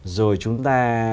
rồi chúng ta